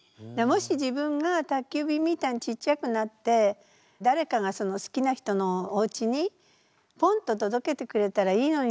もし自分が宅急便みたいにちっちゃくなってだれかがその好きな人のおうちにポンと届けてくれたらいいのになって思ったの。